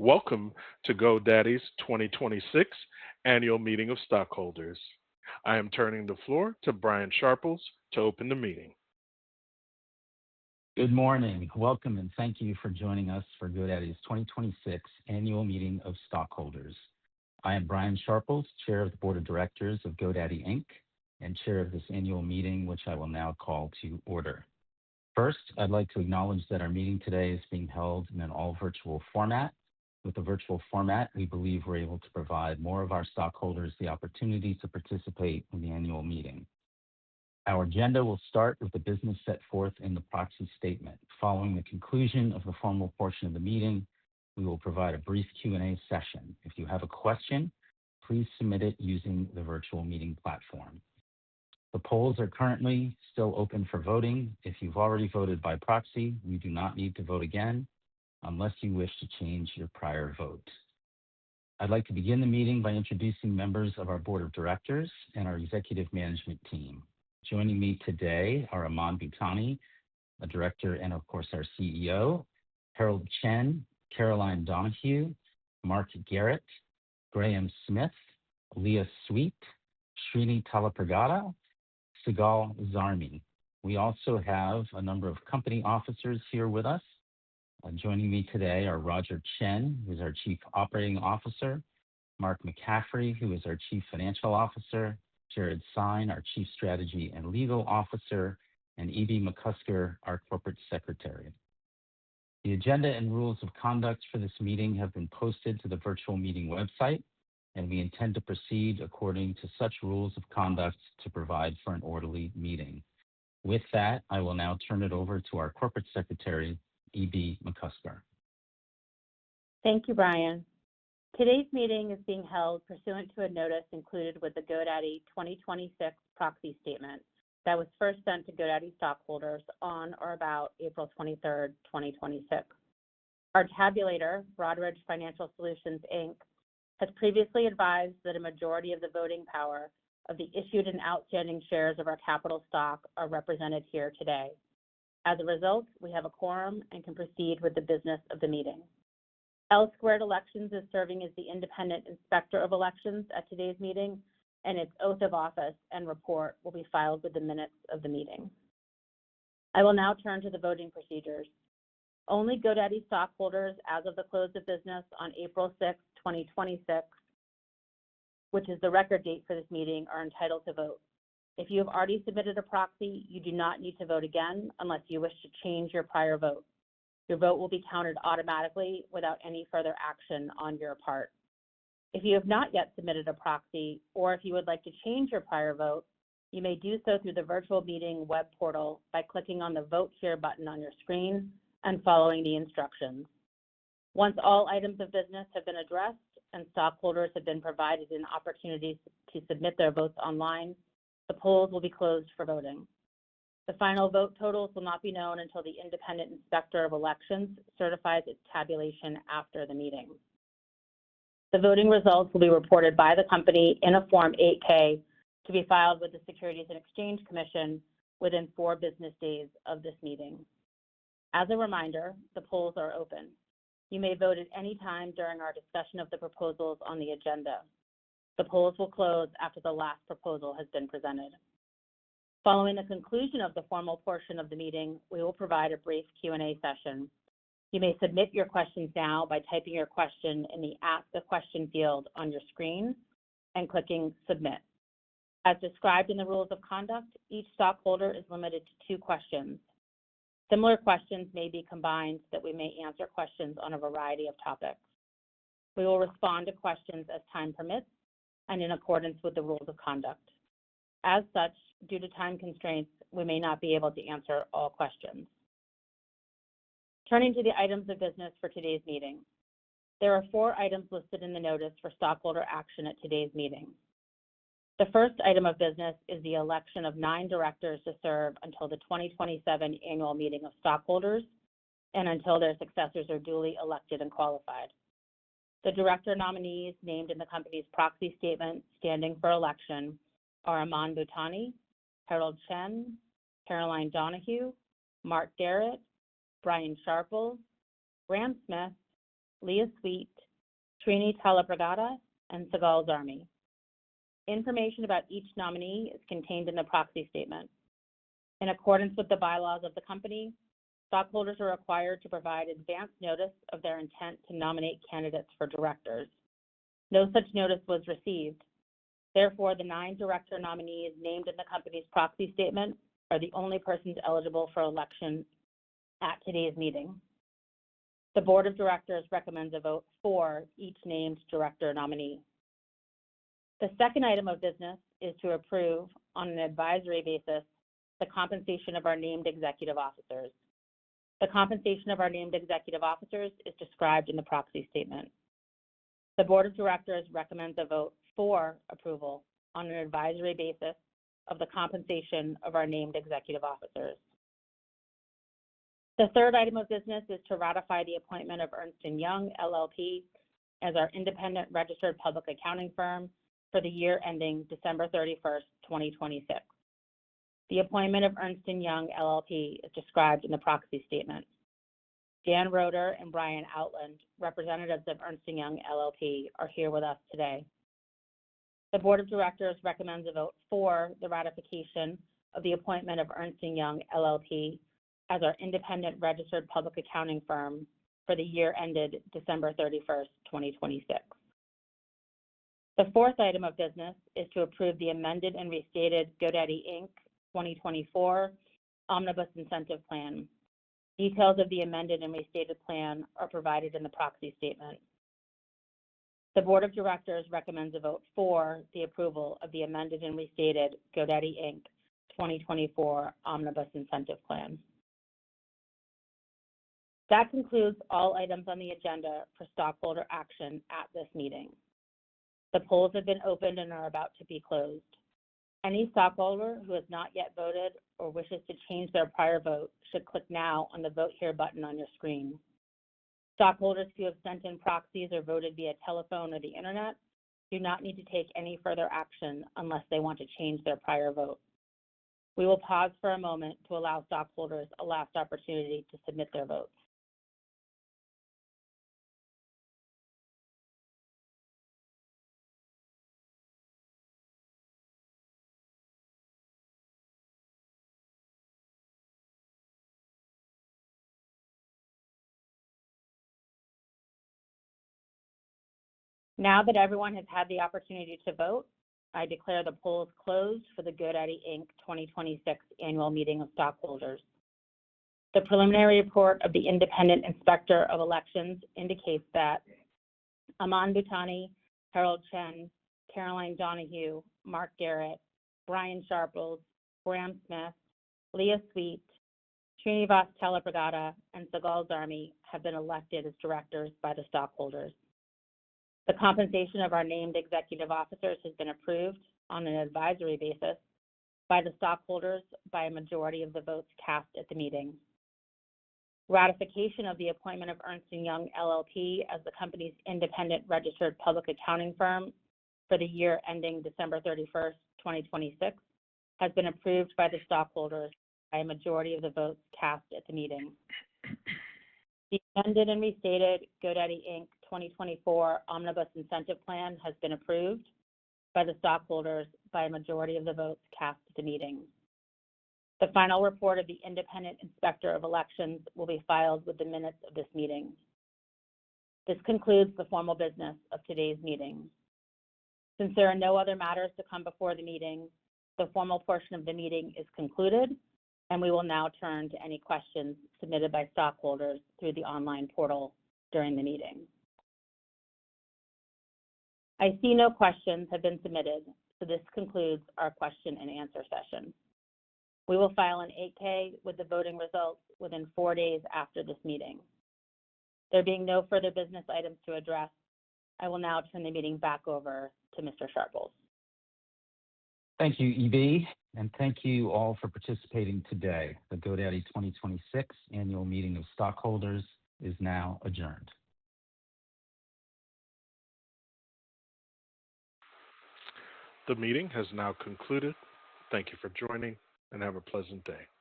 Welcome to GoDaddy's 2026 annual meeting of stockholders. I am turning the floor to Brian Sharples to open the meeting. Good morning. Welcome, and thank you for joining us for GoDaddy's 2026 annual meeting of stockholders. I am Brian Sharples, Chair of the Board of Directors of GoDaddy Inc., and chair of this annual meeting, which I will now call to order. First, I'd like to acknowledge that our meeting today is being held in an all virtual format. With the virtual format, we believe we're able to provide more of our stockholders the opportunity to participate in the annual meeting. Our agenda will start with the business set forth in the proxy statement. Following the conclusion of the formal portion of the meeting, we will provide a brief Q&A session. If you have a question, please submit it using the virtual meeting platform. The polls are currently still open for voting. If you've already voted by proxy, you do not need to vote again unless you wish to change your prior vote. I'd like to begin the meeting by introducing members of our board of directors and our executive management team. Joining me today are Aman Bhutani, a director, and of course, our CEO, Herald Chen, Caroline Donahue, Mark Garrett, Graham Smith, Leah Sweet, Srini Tallapragada, Sigal Zarmi. We also have a number of company officers here with us. Joining me today are Roger Chen, who's our Chief Operating Officer, Mark McCaffrey, who is our Chief Financial Officer, Jared Sine, our Chief Strategy and Legal Officer, and E.B. McCusker, our Corporate Secretary. The agenda and rules of conduct for this meeting have been posted to the virtual meeting website, and we intend to proceed according to such rules of conduct to provide for an orderly meeting. With that, I will now turn it over to our Corporate Secretary, E.B. McCusker. Thank you, Brian. Today's meeting is being held pursuant to a notice included with the GoDaddy 2026 proxy statement that was first sent to GoDaddy stockholders on or about April 23rd, 2026. Our tabulator, Broadridge Financial Solutions Inc., has previously advised that a majority of the voting power of the issued and outstanding shares of our capital stock are represented here today. As a result, we have a quorum and can proceed with the business of the meeting. L Squared Elections is serving as the independent inspector of elections at today's meeting, and its oath of office and report will be filed with the minutes of the meeting. I will now turn to the voting procedures. Only GoDaddy stockholders as of the close of business on April 6th, 2026, which is the record date for this meeting, are entitled to vote. If you have already submitted a proxy, you do not need to vote again unless you wish to change your prior vote. Your vote will be counted automatically without any further action on your part. If you have not yet submitted a proxy, or if you would like to change your prior vote, you may do so through the virtual meeting web portal by clicking on the Vote Here button on your screen and following the instructions. Once all items of business have been addressed and stockholders have been provided an opportunity to submit their votes online, the polls will be closed for voting. The final vote totals will not be known until the independent inspector of elections certifies its tabulation after the meeting. The voting results will be reported by the company in a Form 8-K to be filed with the Securities and Exchange Commission within four business days of this meeting. As a reminder, the polls are open. You may vote at any time during our discussion of the proposals on the agenda. The polls will close after the last proposal has been presented. Following the conclusion of the formal portion of the meeting, we will provide a brief Q&A session. You may submit your questions now by typing your question in the Ask the Question field on your screen and clicking Submit. As described in the rules of conduct, each stockholder is limited to two questions. Similar questions may be combined so that we may answer questions on a variety of topics. We will respond to questions as time permits and in accordance with the rules of conduct. As such, due to time constraints, we may not be able to answer all questions. Turning to the items of business for today's meeting. There are four items listed in the notice for stockholder action at today's meeting. The first item of business is the election of nine directors to serve until the 2027 annual meeting of stockholders and until their successors are duly elected and qualified. The director nominees named in the company's proxy statement standing for election are Aman Bhutani, Herald Chen, Caroline Donahue, Mark Garrett, Brian Sharples, Graham Smith, Leah Sweet, Srini Tallapragada, and Sigal Zarmi. Information about each nominee is contained in the proxy statement. In accordance with the bylaws of the company, stockholders are required to provide advance notice of their intent to nominate candidates for directors. No such notice was received. Therefore, the nine director nominees named in the company's proxy statement are the only persons eligible for election at today's meeting. The board of directors recommends a vote for each named director nominee. The second item of business is to approve on an advisory basis the compensation of our named executive officers. The compensation of our named executive officers is described in the proxy statement. The board of directors recommends a vote for approval on an advisory basis of the compensation of our named executive officers. The third item of business is to ratify the appointment of Ernst & Young LLP as our independent registered public accounting firm for the year ending December 31st, 2026. The appointment of Ernst & Young LLP is described in the proxy statement. Dan Roeder and Brian Outland, representatives of Ernst & Young LLP, are here with us today. The board of directors recommends a vote for the ratification of the appointment of Ernst & Young LLP as our independent registered public accounting firm for the year ended December 31st, 2026. The fourth item of business is to approve the amended and restated GoDaddy Inc. 2024 Omnibus Incentive Plan. Details of the amended and restated plan are provided in the proxy statement. The board of directors recommends a vote for the approval of the amended and restated GoDaddy Inc. 2024 Omnibus Incentive Plan. That concludes all items on the agenda for stockholder action at this meeting. The polls have been opened and are about to be closed. Any stockholder who has not yet voted or wishes to change their prior vote should click now on the Vote Here button on your screen. Stockholders who have sent in proxies or voted via telephone or the internet do not need to take any further action unless they want to change their prior vote. We will pause for a moment to allow stockholders a last opportunity to submit their votes. Now that everyone has had the opportunity to vote, I declare the polls closed for the GoDaddy Inc. 2026 Annual Meeting of Stockholders. The preliminary report of the independent inspector of elections indicates that Aman Bhutani, Herald Chen, Caroline Donahue, Mark Garrett, Brian Sharples, Graham Smith, Leah Sweet, Srinivas Tallapragada, and Sigal Zarmi have been elected as directors by the stockholders. The compensation of our named executive officers has been approved on an advisory basis by the stockholders by a majority of the votes cast at the meeting. Ratification of the appointment of Ernst & Young LLP as the company's independent registered public accounting firm for the year ending December 31st, 2026, has been approved by the stockholders by a majority of the votes cast at the meeting. The amended and restated GoDaddy Inc. 2024 Omnibus Incentive Plan has been approved by the stockholders by a majority of the votes cast at the meeting. The final report of the independent inspector of elections will be filed with the minutes of this meeting. This concludes the formal business of today's meeting. There are no other matters to come before the meeting, the formal portion of the meeting is concluded, and we will now turn to any questions submitted by stockholders through the online portal during the meeting. I see no questions have been submitted, so this concludes our question and answer session. We will file an 8-K with the voting results within four days after this meeting. There being no further business items to address, I will now turn the meeting back over to Mr. Sharples. Thank you, E.B., and thank you all for participating today. The GoDaddy 2026 Annual Meeting of Stockholders is now adjourned. The meeting has now concluded. Thank you for joining, and have a pleasant day. Bye.